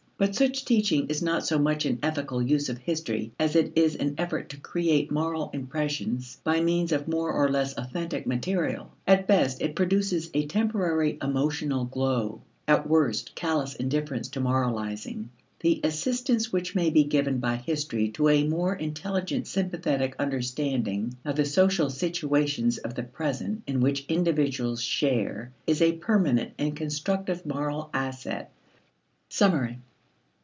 But such teaching is not so much an ethical use of history as it is an effort to create moral impressions by means of more or less authentic material. At best, it produces a temporary emotional glow; at worst, callous indifference to moralizing. The assistance which may be given by history to a more intelligent sympathetic understanding of the social situations of the present in which individuals share is a permanent and constructive moral asset. Summary.